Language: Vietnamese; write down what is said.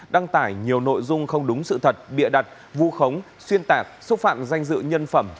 đăng tải nhiều nội dung không đúng sự thật bịa đặt vu khống xuyên tạc xúc phạm danh dự nhân phẩm